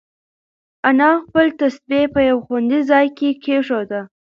انا خپل تسبیح په یو خوندي ځای کې کېښوده.